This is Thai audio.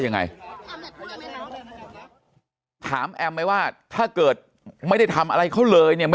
ยังไงถามแอมไหมว่าถ้าเกิดไม่ได้ทำอะไรเขาเลยเนี่ย